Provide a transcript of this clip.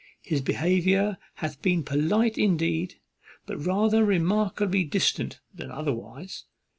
His behaviour hath been polite indeed, but rather remarkably distant than otherwise.